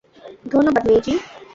ধন্যবাদ, মেইজি।